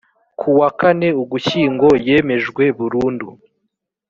kuwa kane ugushyingo yemejwe burundu